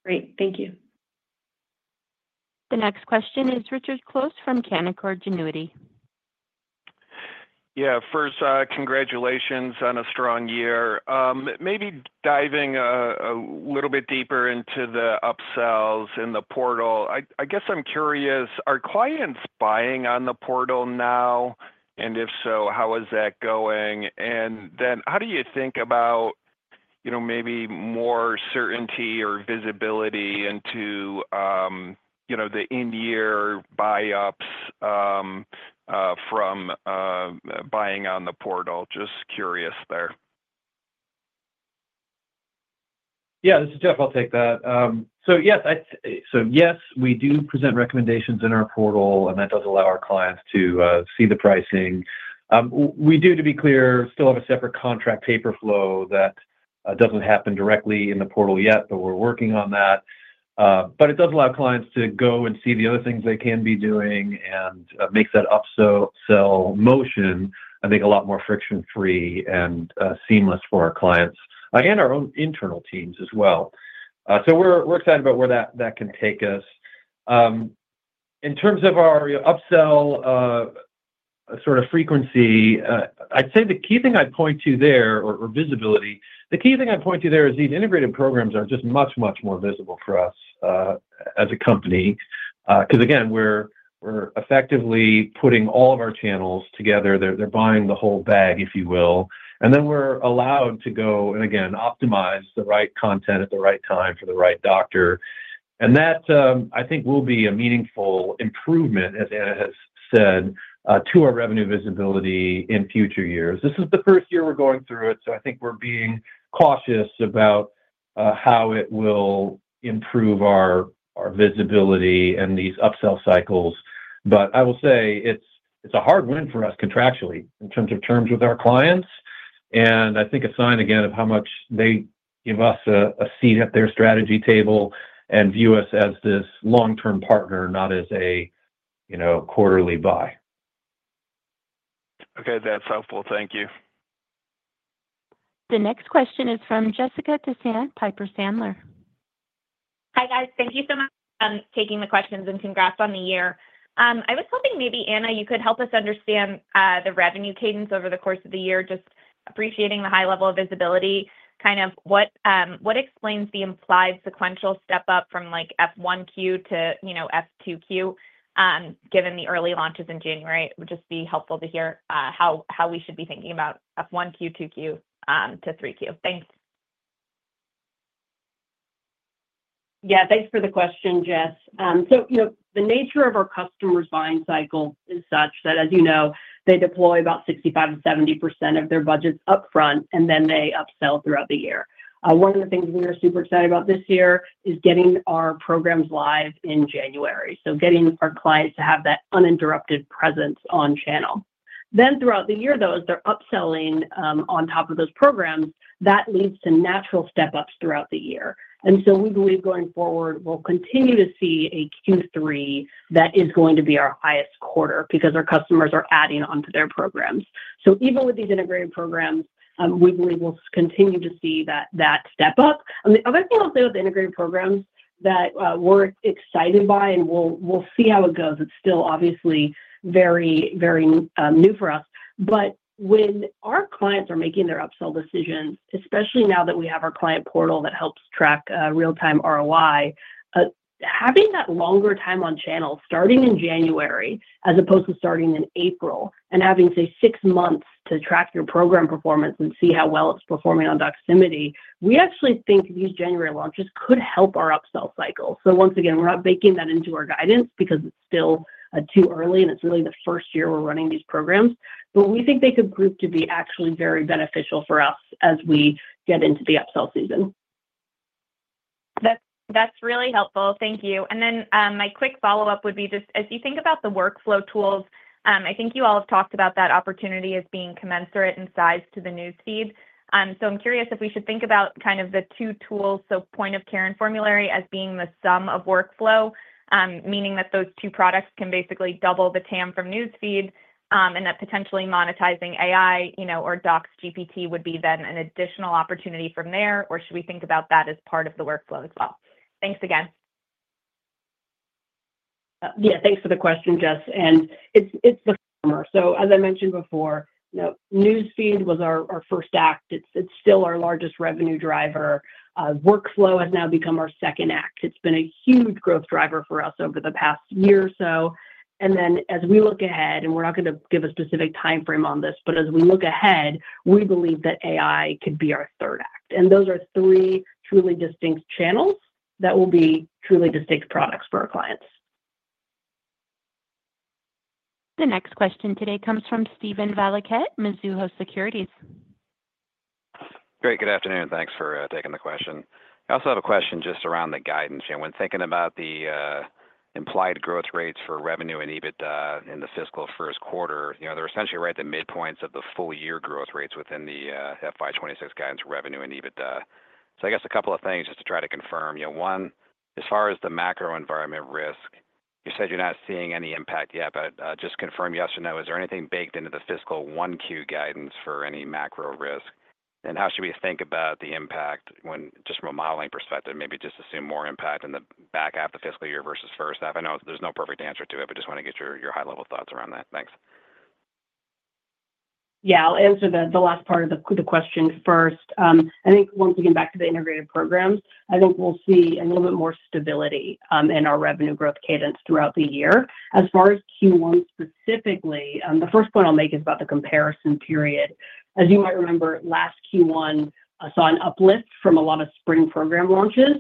Great. Thank you. The next question is Richard Close from Cantor Fitzgerald. Yeah. First, congratulations on a strong year. Maybe diving a little bit deeper into the upsells in the portal. I guess I'm curious, are clients buying on the portal now? If so, how is that going? How do you think about maybe more certainty or visibility into the in-year buy-ups from buying on the portal? Just curious there. Yeah. This is Jeff. I'll take that. Yes, we do present recommendations in our portal, and that does allow our clients to see the pricing. We do, to be clear, still have a separate contract paper flow that does not happen directly in the portal yet, but we're working on that. It does allow clients to go and see the other things they can be doing and make that upsell motion, I think, a lot more friction-free and seamless for our clients and our own internal teams as well. We're excited about where that can take us. In terms of our upsell sort of frequency, I'd say the key thing I'd point to there or visibility, the key thing I'd point to there is these integrated programs are just much, much more visible for us as a company. Because again, we're effectively putting all of our channels together. They're buying the whole bag, if you will. We are allowed to go, and again, optimize the right content at the right time for the right doctor. That, I think, will be a meaningful improvement, as Anna has said, to our revenue visibility in future years. This is the first year we are going through it, so I think we are being cautious about how it will improve our visibility and these upsell cycles. I will say it is a hard win for us contractually in terms of terms with our clients. I think a sign, again, of how much they give us a seat at their strategy table and view us as this long-term partner, not as a Quarterly buy. Okay. That's helpful. Thank you. The next question is from Jessica Tassan, Piper Sandler. Hi, guys. Thank you so much for taking the questions and congrats on the year. I was hoping maybe, Anna, you could help us understand the revenue cadence over the course of the year, just appreciating the high level of visibility. Kind of what explains the implied sequential step-up from F1Q to F2Q given the early launches in January? It would just be helpful to hear how we should be thinking about F1Q, 2Q, to 3Q. Thanks. Yeah. Thanks for the question, Jeff. The nature of our customer's buying cycle is such that, as you know, they deploy about 65-70% of their budgets upfront, and then they upsell throughout the year. One of the things we are super excited about this year is getting our programs live in January. Getting our clients to have that uninterrupted presence on channel. Throughout the year, though, as they're upselling on top of those programs, that leads to natural step-ups throughout the year. We believe going forward, we'll continue to see a Q3 that is going to be our highest Quarter because our customers are adding onto their programs. Even with these integrated programs, we believe we'll continue to see that step-up. The other thing I'll say with the integrated programs that we're excited by, and we'll see how it goes. It's still obviously very, very new for us. But when our clients are making their upsell decisions, especially now that we have our client portal that helps track real-time ROI, having that longer time on channel starting in January as opposed to starting in April and having, say, six months to track your program performance and see how well it's performing on Doximity, we actually think these January launches could help our upsell cycle. So once again, we're not baking that into our guidance because it's still too early, and it's really the first year we're running these programs. But we think they could prove to be actually very beneficial for us as we get into the upsell season. That's really helpful. Thank you. My quick follow-up would be just as you think about the workflow tools, I think you all have talked about that opportunity as being commensurate in size to the newsfeed. I'm curious if we should think about kind of the two tools, so point of care and formulary, as being the sum of workflow, meaning that those two products can basically double the TAM from newsfeed and that potentially monetizing AI or DocsGPT would be then an additional opportunity from there, or should we think about that as part of the workflow as well? Thanks again. Yeah. Thanks for the question, Jeff. It's the former. As I mentioned before, newsfeed was our first act. It's still our largest revenue driver. Workflow has now become our second act. It's been a huge growth driver for us over the past year or so. As we look ahead, and we're not going to give a specific timeframe on this, as we look ahead, we believe that AI could be our third act. Those are three truly distinct channels that will be truly distinct products for our clients. The next question today comes from Steven Valliquette, Mizuho Securities. Great. Good afternoon. Thanks for taking the question. I also have a question just around the guidance. When thinking about the implied growth rates for revenue and EBITDA in the Fiscal first Quarter, they're essentially right at the midpoint of the full year growth rates within the FY26 guidance for revenue and EBITDA. I guess a couple of things just to try to confirm. One, as far as the macro environment risk, you said you're not seeing any impact yet, but just confirm yes or no. Is there anything baked into the Fiscal 1Q guidance for any macro risk? How should we think about the impact just from a modeling perspective? Maybe just assume more impact in the back half of the Fiscal Year versus first half? I know there's no perfect answer to it, but just want to get your high-level thoughts around that. Thanks. Yeah. I'll answer the last part of the question first. I think once we get back to the integrated programs, I think we'll see a little bit more stability in our revenue growth cadence throughout the year. As far as Q1 specifically, the first point I'll make is about the comparison period. As you might remember, last Q1 saw an uplift from a lot of spring program launches.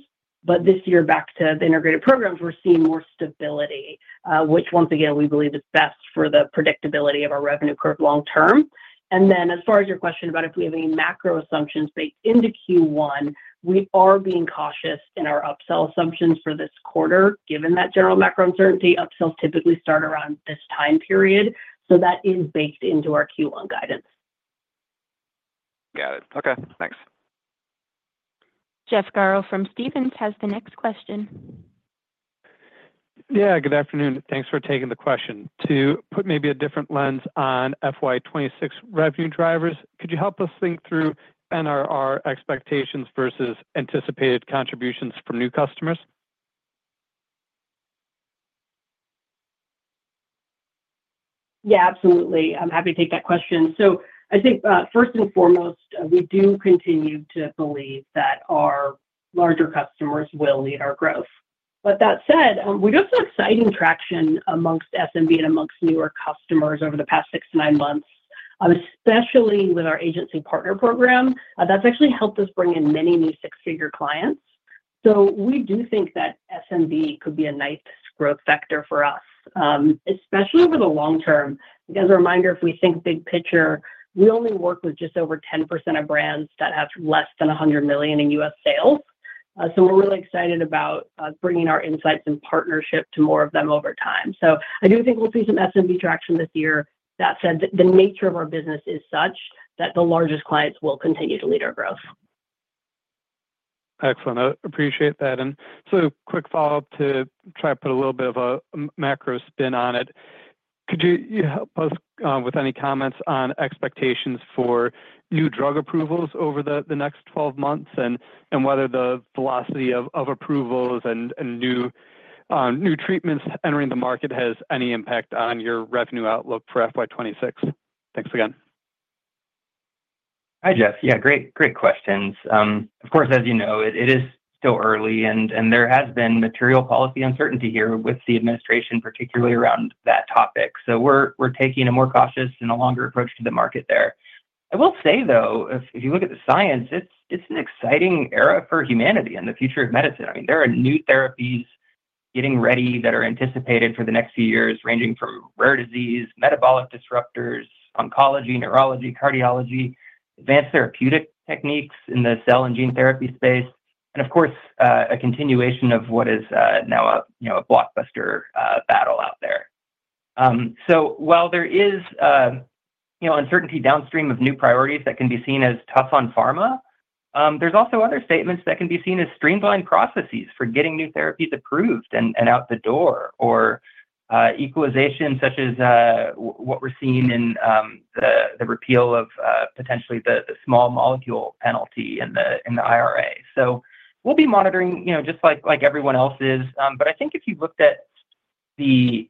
This year, back to the integrated programs, we're seeing more stability, which once again, we believe is best for the predictability of our revenue curve long-term. As far as your question about if we have any macro assumptions baked into Q1, we are being cautious in our upsell assumptions for this Quarter. Given that general macro uncertainty, upsells typically start around this time period. That is baked into our Q1 guidance. Got it. Okay. Thanks. Jeff Garro from Stephens has the next question. Yeah. Good afternoon. Thanks for taking the question. To put maybe a different lens on FY26 revenue drivers, could you help us think through NRR expectations versus anticipated contributions from new customers? Yeah. Absolutely. I'm happy to take that question. I think first and foremost, we do continue to believe that our larger customers will lead our growth. That said, we do have some exciting traction amongst SMB and amongst newer customers over the past six to nine months, especially with our Agency Partner Program. That's actually helped us bring in many new six-figure clients. We do think that SMB could be a nice growth factor for us, especially over the long term. As a reminder, if we think big picture, we only work with just over 10% of brands that have less than $100 million in US sales. We're really excited about bringing our insights and partnership to more of them over time. I do think we'll see some SMB traction this year. That said, the nature of our business is such that the largest clients will continue to lead our growth. Excellent. I appreciate that. Quick follow-up to try to put a little bit of a macro spin on it. Could you help us with any comments on expectations for new drug approvals over the next 12 months and whether the velocity of approvals and new treatments entering the market has any impact on your revenue outlook for FY26? Thanks again. Hi, Jeff. Yeah. Great questions. Of course, as you know, it is still early, and there has been material policy uncertainty here with the administration, particularly around that topic. We are taking a more cautious and a longer approach to the market there. I will say, though, if you look at the science, it is an exciting era for humanity and the future of medicine. I mean, there are new therapies getting ready that are anticipated for the next few years, ranging from rare disease, metabolic disruptors, oncology, neurology, cardiology, advanced therapeutic techniques in the cell and gene therapy space, and of course, a continuation of what is now a blockbuster battle out there. While there is uncertainty downstream of new priorities that can be seen as tough on pharma, there's also other statements that can be seen as streamlined processes for getting new therapies approved and out the door, or equalization such as what we're seeing in the repeal of potentially the small molecule penalty in the IRA. We'll be monitoring just like everyone else is. I think if you looked at the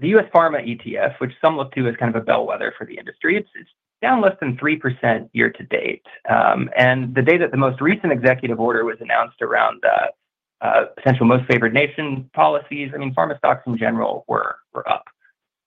U.S. Pharma ETF, which some look to as kind of a bellwether for the industry, it's down less than 3% year to date. The day that the most recent executive order was announced around potential most favored nation policies, I mean, pharma stocks in general were up.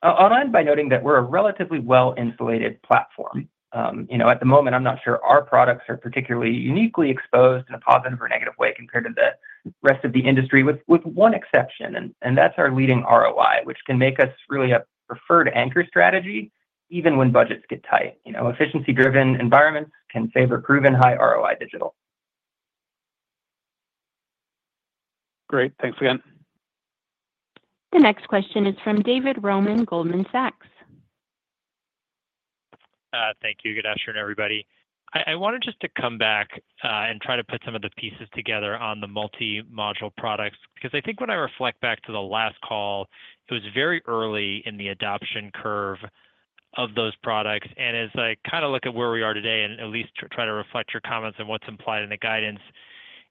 I'll end by noting that we're a relatively well-insulated platform. At the moment, I'm not sure our products are particularly uniquely exposed in a positive or negative way compared to the rest of the industry, with one exception, and that's our leading ROI, which can make us really a preferred anchor strategy even when budgets get tight. Efficiency-driven environments can favor proven high ROI digital. Great. Thanks again. The next question is from David Roman Goldman Sachs. Thank you. Good afternoon, everybody. I wanted just to come back and try to put some of the pieces together on the multi-module products. Because I think when I reflect back to the last call, it was very early in the adoption curve of those products. And as I kind of look at where we are today and at least try to reflect your comments on what's implied in the guidance,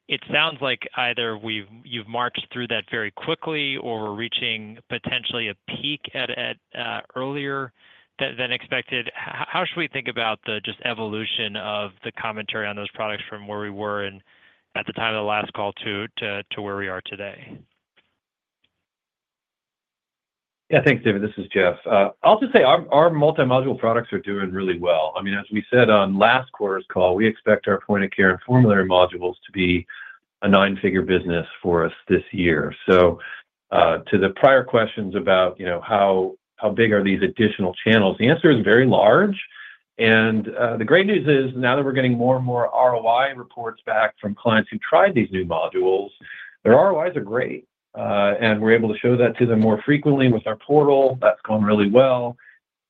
it sounds like either you've marched through that very quickly or we're reaching potentially a peak earlier than expected. How should we think about the just evolution of the commentary on those products from where we were at the time of the last call to where we are today? Yeah. Thanks, David. This is Jeff. I'll just say our multi-module products are doing really well. I mean, as we said on last Quarter's call, we expect our point of care and formulary modules to be a nine-figure business for us this year. To the prior questions about how big are these additional channels, the answer is very large. The great news is now that we're getting more and more ROI reports back from clients who've tried these new modules, their ROIs are great. We're able to show that to them more frequently with our portal. That's gone really well.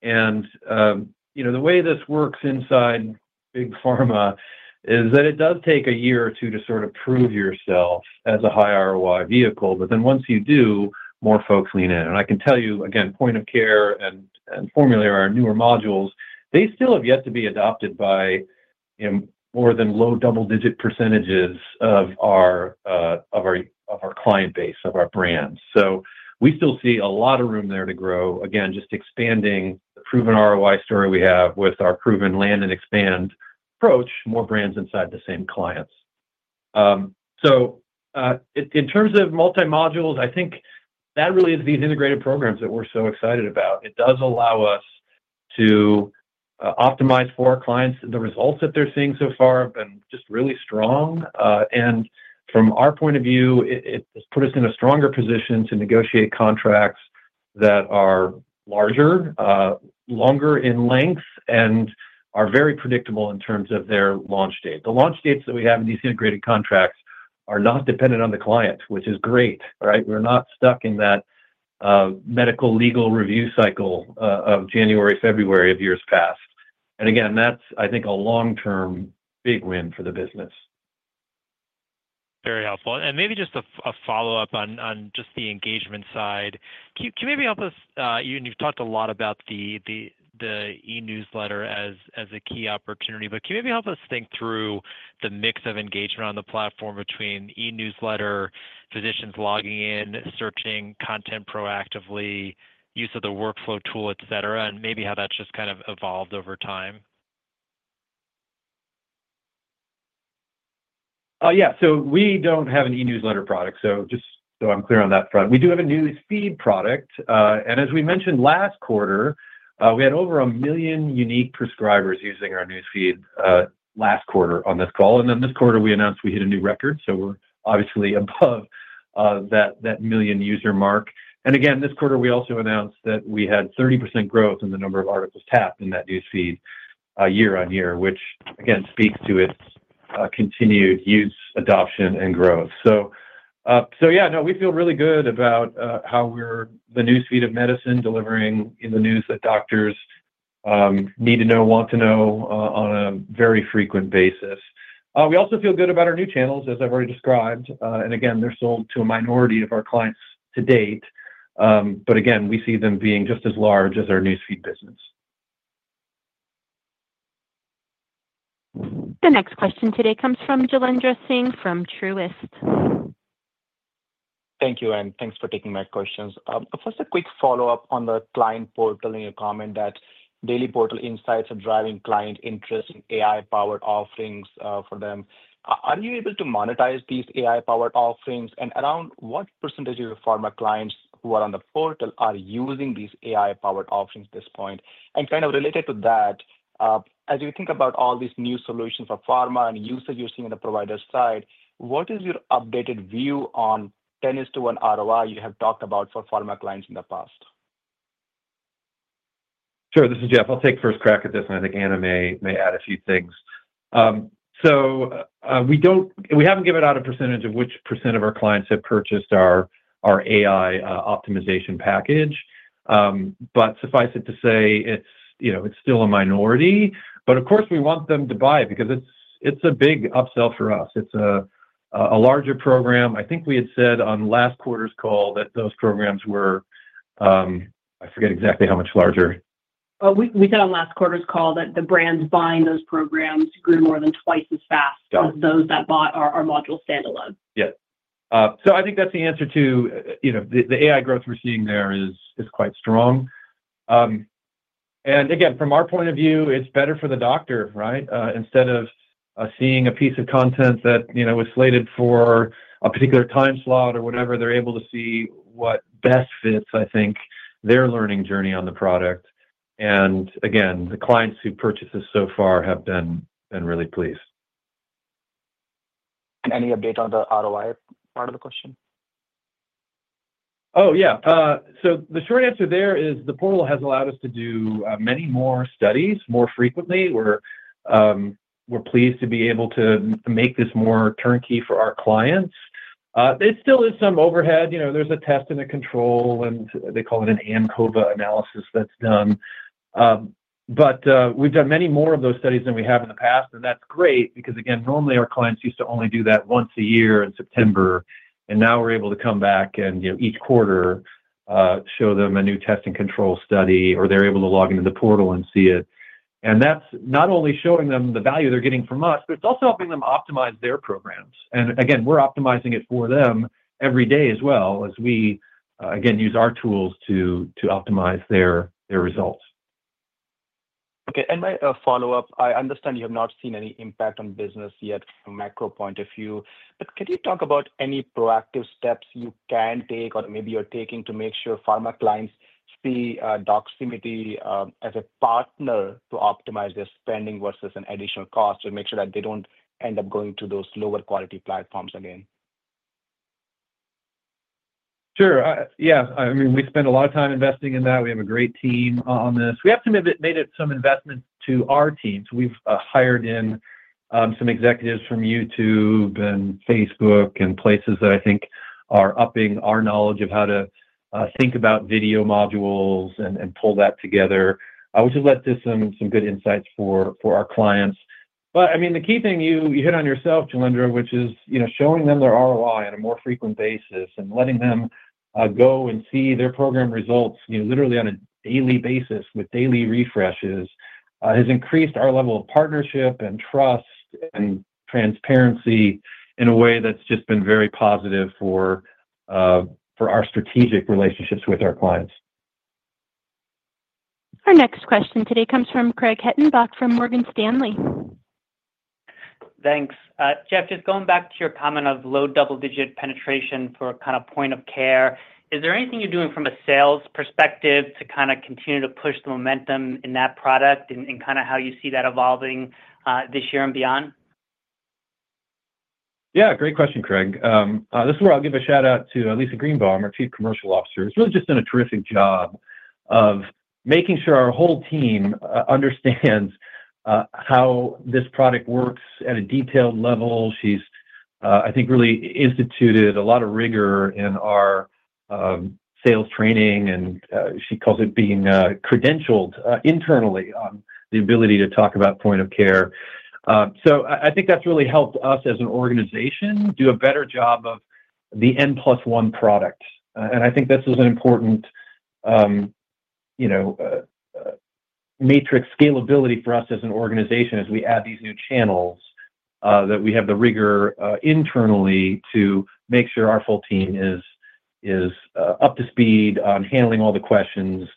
The way this works inside big pharma is that it does take a year or two to sort of prove yourself as a high ROI vehicle. Once you do, more folks lean in. I can tell you, again, point of care and formulary are our newer modules. They still have yet to be adopted by more than low double-digit % of our client base, of our brands. We still see a lot of room there to grow. Again, just expanding the proven ROI story we have with our proven land and expand approach, more brands inside the same clients. In terms of multi-modules, I think that really is these integrated programs that we're so excited about. It does allow us to optimize for our clients. The results that they're seeing so far have been just really strong. From our point of view, it has put us in a stronger position to negotiate contracts that are larger, longer in length, and are very predictable in terms of their launch date. The launch dates that we have in these integrated contracts are not dependent on the client, which is great, right? We're not stuck in that medical-legal review cycle of January, February of years past. Again, that's, I think, a long-term big win for the business. Very helpful. Maybe just a follow-up on just the engagement side. Can you maybe help us? You've talked a lot about the e-newsletter as a key opportunity. Can you maybe help us think through the mix of engagement on the platform between e-newsletter, physicians logging in, searching content proactively, use of the workflow tool, etc., and maybe how that's just kind of evolved over time? Yeah. So we do not have an e-newsletter product. So just so I am clear on that front, we do have a newsfeed product. As we mentioned last Quarter, we had over one million unique prescribers using our newsfeed last Quarter on this call. This Quarter, we announced we hit a new record. We are obviously above that million user mark. Again, this Quarter, we also announced that we had 30% growth in the number of articles tapped in that newsfeed year on year, which again speaks to its continued use, adoption, and growth. Yeah, no, we feel really good about how we are the newsfeed of medicine, delivering the news that doctors need to know, want to know, on a very frequent basis. We also feel good about our new channels, as I have already described. They are sold to a minority of our clients to date. Again, we see them being just as large as our newsfeed business. The next question today comes from Jailendra Singh from Truist. Thank you. Thanks for taking my questions. First, a quick follow-up on the client portal and your comment that Daily Portal Insights are driving client interest in AI-powered offerings for them. Are you able to monetize these AI-powered offerings? Around what percentage of your pharma clients who are on the portal are using these AI-powered offerings at this point? Kind of related to that, as you think about all these new solutions for pharma and usage you are seeing on the provider side, what is your updated view on 10:1 ROI you have talked about for pharma clients in the past? Sure. This is Jeff. I'll take first crack at this, and I think Anna may add a few things. We have not given out a percentage of which percent of our clients have purchased our AI optimization package. Suffice it to say, it is still a minority. Of course, we want them to buy it because it's a big upsell for us. It's a larger program. I think we had said on last Quarter's call that those programs were—I forget exactly how much larger. We said on last Quarter's call that the brands buying those programs grew more than twice as fast as those that bought our module standalone. Yeah. I think that's the answer to the AI growth we're seeing there is quite strong. Again, from our point of view, it's better for the doctor, right? Instead of seeing a piece of content that was slated for a particular time slot or whatever, they're able to see what best fits, I think, their learning journey on the product. Again, the clients who purchased this so far have been really pleased. Any update on the ROI part of the question? Oh, yeah. The short answer there is the portal has allowed us to do many more studies more frequently. We're pleased to be able to make this more turnkey for our clients. There still is some overhead. There's a test and a control, and they call it an ANCOVA analysis that's done. We've done many more of those studies than we have in the past. That's great because, again, normally our clients used to only do that once a year in September. Now we're able to come back and each Quarter show them a new test and control study, or they're able to log into the portal and see it. That's not only showing them the value they're getting from us, but it's also helping them optimize their programs. Again, we're optimizing it for them every day as well as we, again, use our tools to optimize their results. Okay. A follow-up. I understand you have not seen any impact on business yet from a macro point of view. Can you talk about any proactive steps you can take or maybe you're taking to make sure pharma clients see Doximity as a partner to optimize their spending versus an additional cost to make sure that they don't end up going to those lower quality platforms again? Sure. Yeah. I mean, we spend a lot of time investing in that. We have a great team on this. We have made some investments to our team. We've hired in some executives from YouTube and Facebook and places that I think are upping our knowledge of how to think about video modules and pull that together. I would just let this some good insights for our clients. I mean, the key thing you hit on yourself, Jailendra, which is showing them their ROI on a more frequent basis and letting them go and see their program results literally on a daily basis with daily refreshes has increased our level of partnership and trust and transparency in a way that's just been very positive for our strategic relationships with our clients. Our next question today comes from Craig Hettenbach from Morgan Stanley. Thanks. Jeff, just going back to your comment of low double-digit penetration for kind of point of care, is there anything you're doing from a sales perspective to kind of continue to push the momentum in that product and kind of how you see that evolving this year and beyond? Yeah. Great question, Craig. This is where I'll give a shout-out to Lisa Greenbaum, our Chief Commercial Officer. She's really just done a terrific job of making sure our whole team understands how this product works at a detailed level. She's, I think, really instituted a lot of rigor in our sales training. And she calls it being credentialed internally on the ability to talk about point of care. I think that's really helped us as an organization do a better job of the N+1 product. I think this is an important matrix scalability for us as an organization as we add these new channels that we have the rigor internally to make sure our full team is up to speed on handling all the questions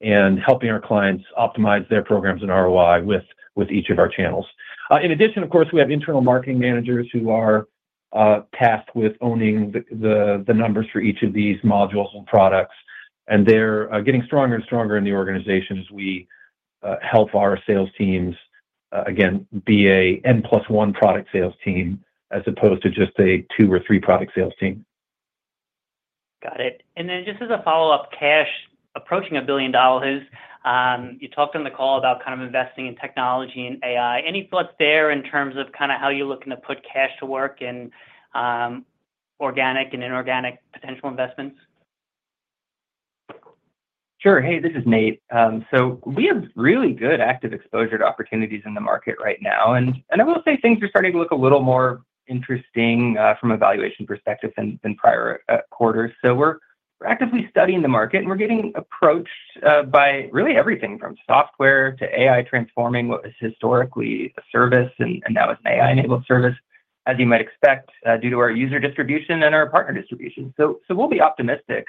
and helping our clients optimize their programs and ROI with each of our channels. In addition, of course, we have internal marketing managers who are tasked with owning the numbers for each of these modules and products. They are getting stronger and stronger in the organization as we help our sales teams, again, be an N+1 product sales team as opposed to just a two or three product sales team. Got it. Just as a follow-up, cash approaching $1 billion. You talked on the call about kind of investing in technology and AI.Any thoughts there in terms of kind of how you're looking to put cash to work in organic and inorganic potential investments? Sure. Hey, this is Nate. So we have really good active exposure to opportunities in the market right now. I will say things are starting to look a little more interesting from an evaluation perspective than prior Quarters. We're actively studying the market. We're getting approached by really everything from software to AI transforming what was historically a service and now is an AI-enabled service, as you might expect, due to our user distribution and our partner distribution. We'll be optimistic.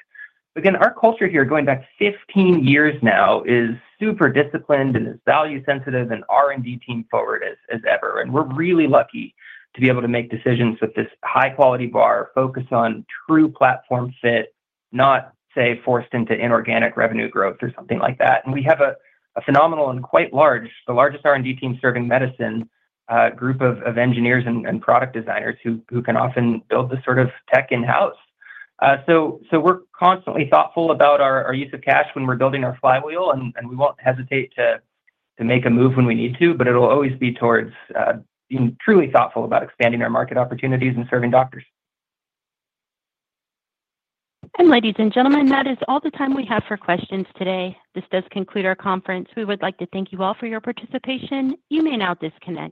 Again, our culture here, going back 15 years now, is super disciplined and is value-sensitive and R&D team-forward as ever. We're really lucky to be able to make decisions with this high-quality bar, focus on true platform fit, not, say, forced into inorganic revenue growth or something like that. We have a phenomenal and quite large, the largest R&D team serving medicine, group of engineers and product designers who can often build this sort of tech in-house. We're constantly thoughtful about our use of cash when we're building our flywheel. We won't hesitate to make a move when we need to. It will always be towards being truly thoughtful about expanding our market opportunities and serving doctors. Ladies and gentlemen, that is all the time we have for questions today. This does conclude our conference. We would like to thank you all for your participation. You may now disconnect.